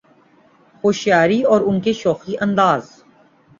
ہوشیاری اور ان کی شوخی انداز